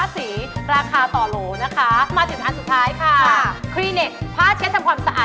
ถ้าแพทย์ต้องตอบแพทย์เลือกขังค่ะ